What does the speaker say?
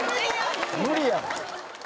無理やろ。